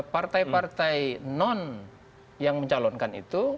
partai partai non yang mencalonkan itu